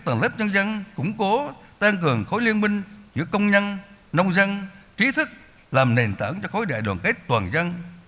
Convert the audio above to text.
các tầng lớp nhân dân củng cố tăng cường khối liên minh giữa công nhân nông dân trí thức làm nền tảng cho khối đại đoàn kết toàn dân